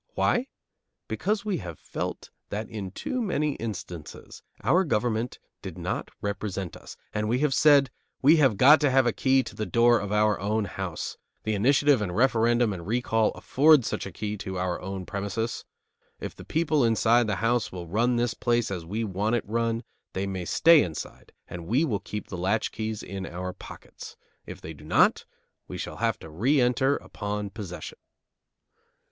Why? Because we have felt that in too many instances our government did not represent us, and we have said: "We have got to have a key to the door of our own house. The initiative and referendum and the recall afford such a key to our own premises. If the people inside the house will run the place as we want it run, they may stay inside and we will keep the latchkeys in our pockets. If they do not, we shall have to re enter upon possession."